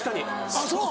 あっそう！